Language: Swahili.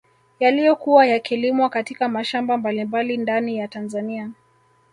Yaliyokuwa yakilimwa katika mashamba mbalimbali ndani ya Tanzania